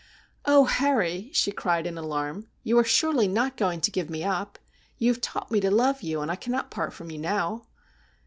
' Oh, Harry,' she cried in alarm, ' you are surely not going to give me up ? You have taught me to love you, and I can not part from you now.'